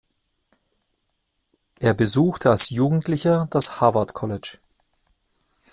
Er besuchte als Jugendlicher das Harvard College.